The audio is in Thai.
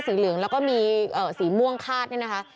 เหลืองแล้วก็มีสีม่วงคาดเนี่ยนะคะ